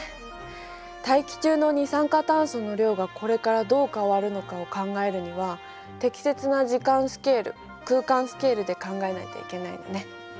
大気中の二酸化炭素の量がこれからどう変わるのかを考えるには適切な時間スケール空間スケールで考えないといけないのね。